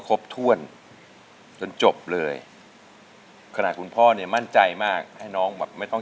คิดว่าเค้าร้องได้แน่เค้าเคยร้องให้ฟัง